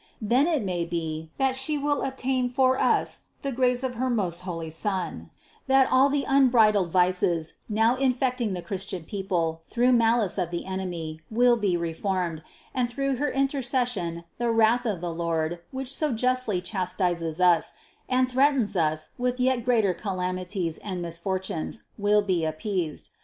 Then it may be, that She will obtain for us the grace of her most holy Son, that all the un bridled vices now infecting the Christian people through malice of the enemy, will be reformed, and through her intercession the wrath of the Lord, which so justly chastises us and threatens us with yet greater calamities and misfortunes, will be appeased.